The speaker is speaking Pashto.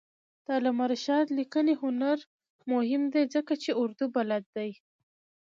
د علامه رشاد لیکنی هنر مهم دی ځکه چې اردو بلد دی.